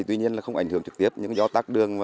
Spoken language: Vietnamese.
tuy nhiên không ảnh hưởng trực tiếp những gió tác đường